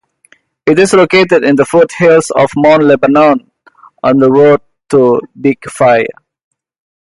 It is located in the foothills of Mount Lebanon, on the road to Bikfaya.